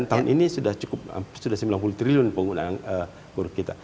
jadi sudah sembilan puluh triliun penggunaan kur kita